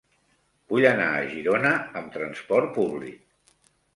Vull anar a Girona amb trasport públic.